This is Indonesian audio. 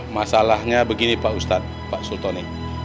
masalahnya begini pak ustadz pak sultoni